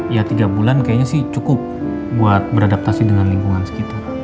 ya tiga bulan kayaknya sih cukup buat beradaptasi dengan lingkungan sekitar